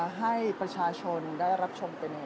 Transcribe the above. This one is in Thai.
เดี๋ยวจะให้ดูว่าค่ายมิซูบิชิเป็นอะไรนะคะ